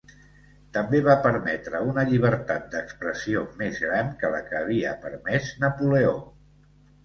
També va permetre una llibertat d'expressió més gran que la que havia permès Napoleó.